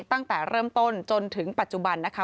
ตั้งแต่เริ่มต้นจนถึงปัจจุบันนะคะ